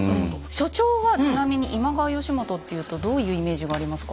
所長はちなみに今川義元っていうとどういうイメージがありますか？